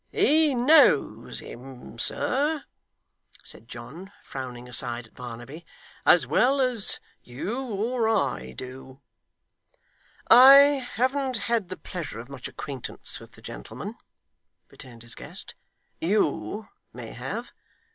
'He knows him, sir,' said John, frowning aside at Barnaby, 'as well as you or I do.' 'I haven't the pleasure of much acquaintance with the gentleman,' returned his guest. 'YOU may have.